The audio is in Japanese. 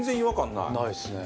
ないですね。